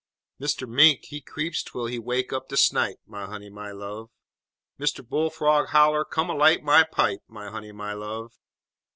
_ Mister Mink, he creeps twel he wake up de snipe, My honey, my love! Mister Bull Frog holler, Come alight my pipe! My honey, my love!